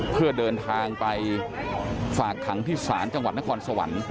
เพื่อเดินทางไปฝากขังที่ศาลจังหวัดนครสวรรค์